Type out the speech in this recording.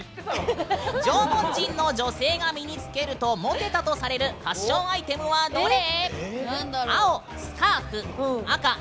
縄文人の女性が身につけるとモテたとされるファッションアイテムはどれ？